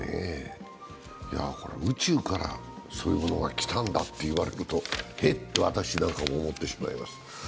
これは宇宙からそういうものが来たんだと言われると、え？と私なんかは思ってしまいます